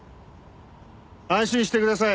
安心してください。